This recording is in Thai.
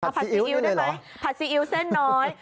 ผัดซีอิ๊วได้ไหมผัดซีอิ๊วเส้นน้อย